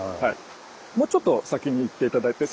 もうちょっと先に行って頂いて。